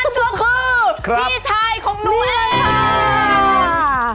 นั่นก็คือพี่ชายของนุ้งแอลค่ะ